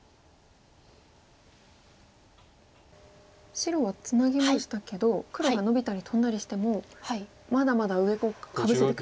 白はツナぎましたけど黒がノビたりトンだりしてもまだまだ上をかぶせてくる？